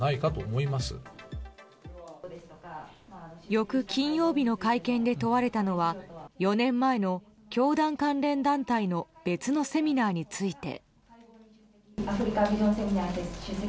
翌金曜日の会見で問われたのは４年前の教団関連団体の別のセミナーについて。